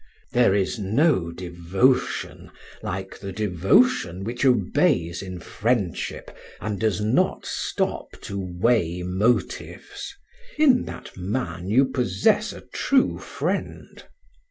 "There is no devotion like the devotion which obeys in friendship, and does not stop to weigh motives. In that man you possess a true friend."